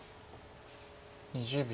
２０秒。